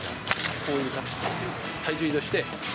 こういう感じで、体重移動して。